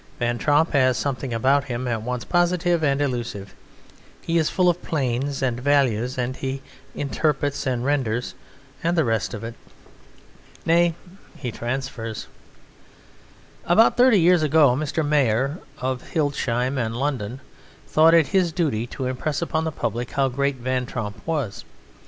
Van Tromp has something about him at once positive and elusive; he is full of planes and values, and he interprets and renders, and the rest of it. Nay, he transfers! About thirty years ago Mr. Mayor (of Hildesheim and London) thought it his duty to impress upon the public how great Van Tromp was.